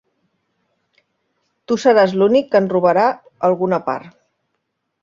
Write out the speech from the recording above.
Tu seràs l'únic que en robarà alguna part.